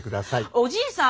おじいさん